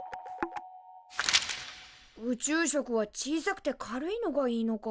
宇宙食は小さくて軽いのがいいのか。